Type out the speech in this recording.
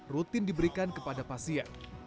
rutin diberikan kepada pasien